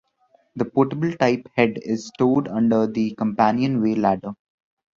The portable type head is stowed under the companionway ladder.